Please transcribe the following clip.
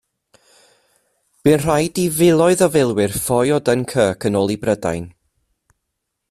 Bu'n rhaid i filoedd o filwyr ffoi o Dunkirk yn ôl i Brydain.